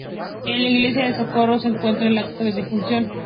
En la Iglesia del Socorro se encuentra el acta de defunción.